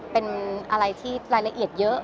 เป็นอะไรที่รายละเอียดเยอะ